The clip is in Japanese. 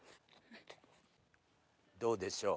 どうでしょう？